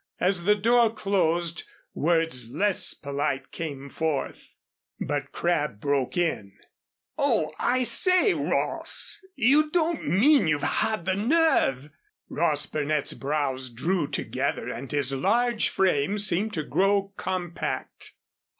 As the door closed words less polite came forth. But Crabb broke in: "Oh, I say, Ross, you don't mean you've had the nerve " Ross Burnett's brows drew together and his large frame seemed to grow compact.